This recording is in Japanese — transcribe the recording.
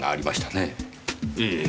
ええ。